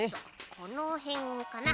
このへんかな？